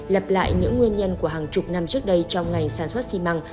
lặp lại những nguyên nhân của hàng chục năm trước đây trong ngành sản xuất xi măng